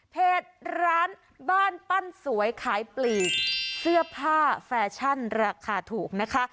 เพจร้านบ้านปั้นสวยขายปลีกเสื้อผ้าแฟชั่นราคาถูกนะคะ